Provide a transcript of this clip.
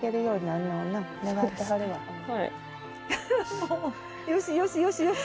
もうよしよしよしよし。